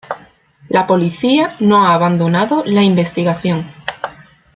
La policía no ha abandonado la investigación.